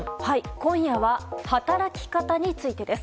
今夜は働き方についてです。